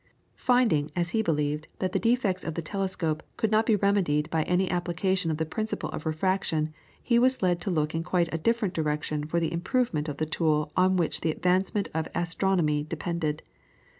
Finding, as he believed, that the defects of the telescope could not be remedied by any application of the principle of refraction he was led to look in quite a different direction for the improvement of the tool on which the advancement of astronomy depended.